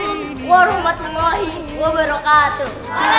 waalaikumsalam warahmatullahi wabarakatuh